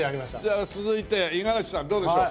じゃあ続いて五十嵐さんどうでしょう？